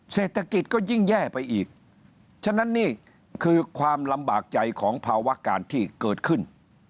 เศรษฐกิจก็ยิ่งแย่ไปอีกฉะนั้นนี่คือความลำบากใจของภาวะการที่เกิดขึ้น